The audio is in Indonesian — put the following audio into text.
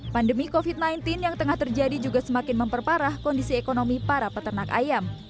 pandemi covid sembilan belas yang tengah terjadi juga semakin memperparah kondisi ekonomi para peternak ayam